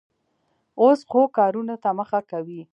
اوس ښو کارونو ته مخه کوي.